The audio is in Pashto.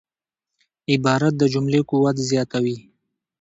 عبارت د جملې قوت زیاتوي.